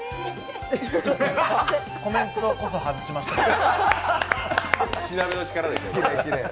コメントこそ外しましたけど。